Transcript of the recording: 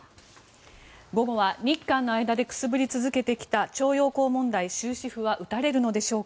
午後は日韓の間でくすぶり続けてきた徴用工問題終止符は打たれるのでしょうか。